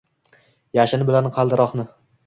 yashin bilan qaldiroqni